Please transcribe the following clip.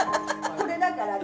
これだからね。